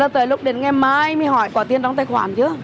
tới lúc đến ngày mai mới hỏi có tiền trong tài khoản chưa